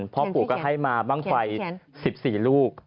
พ่อปู่ก็ให้มาบ้างไฟ๑๔ลูก